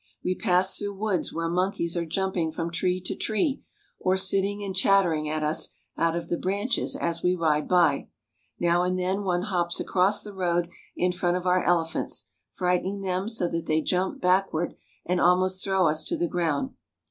We pass through woods where monkeys are jumping from tree to tree, or sitting and chattering at us out of the branches as we ride by. Now and then one hops across the road in front of our elephants, frightening them so that they jump backward, and almost throw us to the ground.